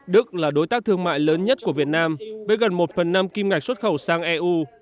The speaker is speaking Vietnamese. đức là đối tác thương mại lớn nhất của việt nam với gần một phần năm kim ngạch xuất khẩu sang eu